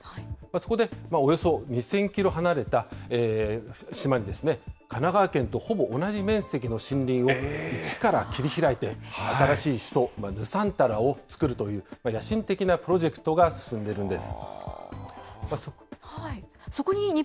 そこで、およそ２０００キロ離れた島に、神奈川県とほぼ同じ面積の森林をいちから切り開いて、新しい首都、ヌサンタラを作るという、野心的なプロジェクトが進んでいるんです。